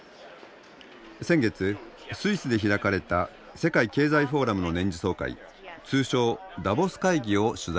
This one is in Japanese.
先月スイスで開かれた世界経済フォーラムの年次総会通称ダボス会議を取材しました。